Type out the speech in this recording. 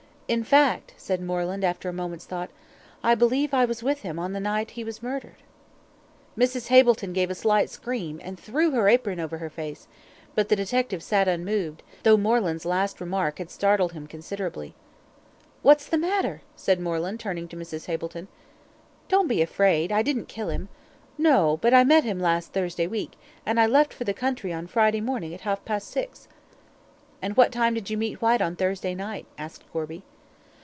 "In fact," said Mr. Moreland, after a moment's thought, "I believe I was with him on the night he was murdered." Mrs. Hableton gave a slight scream, and threw her apron over her face, but the detective sat unmoved, though Moreland's last remark had startled him considerably. "What's the matter?" said Moreland, turning to Mrs. Hableton. "Don't be afraid; I didn't kill him no but I met him last Thursday week, and I left for the country on Friday morning at half past six." "And what time did you meet Whyte on Thursday night?" asked Gorby.